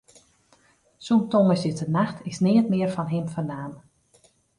Sûnt tongersdeitenacht is neat mear fan him fernaam.